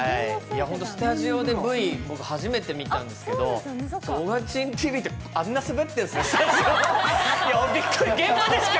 スタジオでＶを初めてみたんですけど、「オガキンＴＶ」って、あんなスベってるんですか。